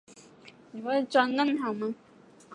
顺带一提